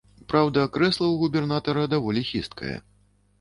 Праўда, крэсла ў губернатара даволі хісткае.